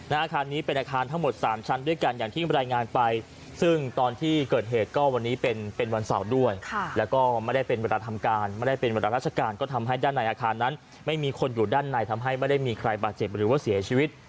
อาคารนี้เป็นอาคารทั้งหมดสามชั้นด้วยกันอย่างที่รายงานไปซึ่งตอนที่เกิดเหตุก็วันนี้เป็นเป็นวันเสาร์ด้วยแล้วก็ไม่ได้เป็นเวลาทำการไม่ได้เป็นเวลาราชการก็ทำให้ด้านในอาคารนั้นไม่มีคนอยู่ด้านในทำให้ไม่ได้มีใครบาดเจ็บหรือว่าเสียชีวิต